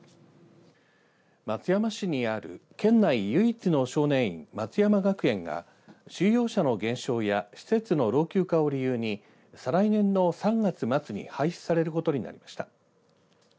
松山市にある県内唯一の少年院松山学園が収容者の減少や施設の老朽化を理由に再来年の３月末に廃止されることになりました。